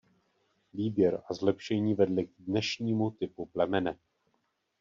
Výběr a zlepšení vedly k dnešnímu typu plemene.